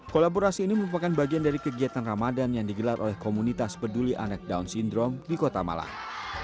kolaborasi ini merupakan bagian dari kegiatan ramadan yang digelar oleh komunitas peduli anak down syndrome di kota malang